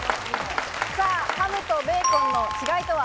ハムとベーコンの違いとは？